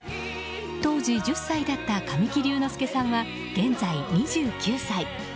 当時１０歳だった神木隆之介さんは現在２９歳。